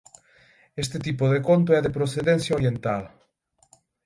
Este tipo de conto é de procedencia oriental.